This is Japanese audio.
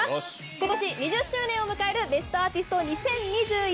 今年２０周年を迎える『ベストアーティスト２０２１』。